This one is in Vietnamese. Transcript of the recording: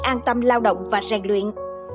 an tâm lao động và rèn luyện